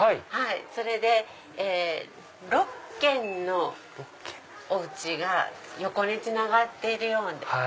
それで６軒のお家が横につながっているような。